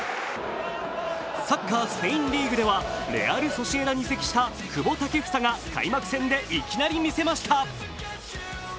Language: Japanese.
サッカー・スペインリーグではレアル・ソシエダに移籍した久保建英が開幕戦でいきなり見せました。